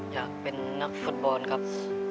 อยากเป็นนักฟุตบอลครับ